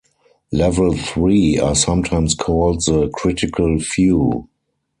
Level Three are sometimes called the "critical few".